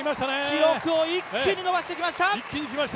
記録を一気に伸ばしてきました。